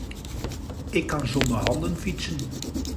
Ik kan zonder handen fietsen.